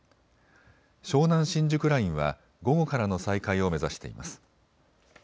湘南新宿ラインは午後からの再開を目指しています。